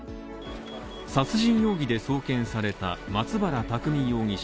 殺人容疑で送検された松原拓海容疑者。